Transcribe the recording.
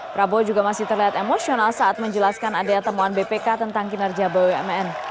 prabowo juga masih terlihat emosional saat menjelaskan ada temuan bpk tentang kinerja bumn